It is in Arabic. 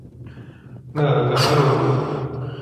ماذا تفعلون؟